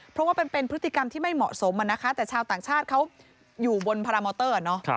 เพราะว่าเป็นพฤติกรรมที่ไม่เหมาะสมนะคะแต่ชาวต่างชาติเขาอยู่บนพารามอเตอร์